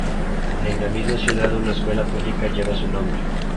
En la misma ciudad, una escuela pública lleva su nombre.